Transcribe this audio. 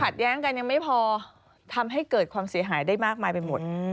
แย้งกันยังไม่พอทำให้เกิดความเสียหายได้มากมายไปหมด